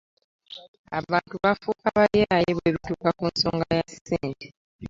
Abantu bafuuka bayaaye bwebituuka ku nsonga ya ssente.